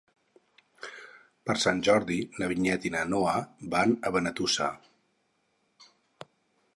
Per Sant Jordi na Vinyet i na Noa van a Benetússer.